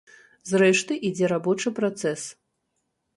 Зрэшты, ідзе рабочы працэс.